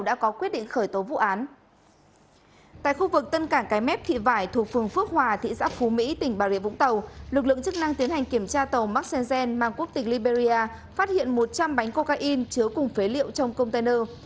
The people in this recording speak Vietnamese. lực lượng chức năng tiến hành kiểm tra tàu maxenzen mang quốc tịch liberia phát hiện một trăm linh bánh cocaine chứa cùng phế liệu trong container